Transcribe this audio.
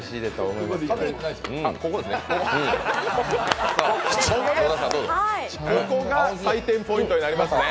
ここですね、ここが採点ポイントになりますね。